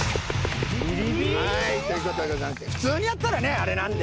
はいということでございまして普通にやったらねあれなんで。